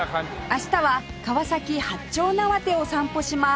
明日は川崎八丁畷を散歩します